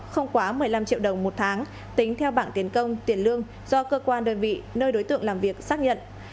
không quá một mươi năm triệu đồng một tháng tính theo bảng tiền công tiền lương do cơ quan đơn vị nơi đối tượng làm việc xác nhận